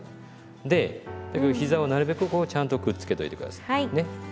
でひざをなるべくこうちゃんとくっつけといて下さいね。